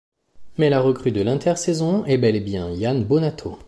Mais la recrue de l'intersaison est bel et bien, Yann Bonato.